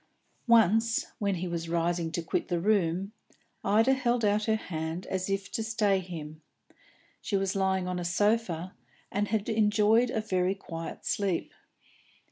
Once, when he was rising to quit the room, Ida held out her hand as if to stay him. She was lying on a sofa, and had enjoyed a very quiet sleep.